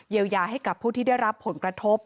ยายาให้กับผู้ที่ได้รับผลกระทบ